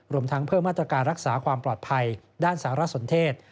รวมทั้งเพิ่มมาตรการรักษาความปลอดภัยด้านสารสนเทศ